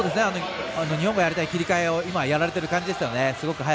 日本がやりたい切り替えを今やられている感じでしたね。